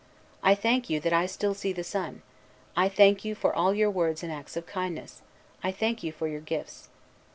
I thank you that I still see the sun; I thank you for all your words and acts of kindness; I thank you for your gifts.